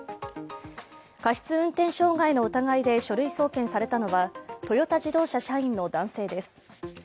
過失運転傷害の疑いで書類送検されたのは、トヨタ自動車社員の男性です。